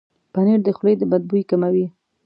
پنېر د خولې د بد بوي کموي.